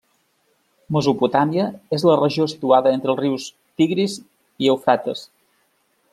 Mesopotàmia és la regió situada entre els rius Tigris i Eufrates.